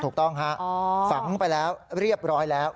ถูกต้องฮะฝังไปแล้วเรียบร้อยแล้ว